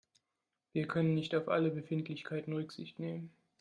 Wir können nicht auf alle Befindlichkeiten Rücksicht nehmen.